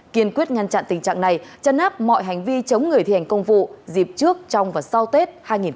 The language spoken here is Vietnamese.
kiên quyết nhăn chặn tình trạng này chăn nắp mọi hành vi chống người thi hành công vụ dịp trước trong và sau tết hai nghìn hai mươi hai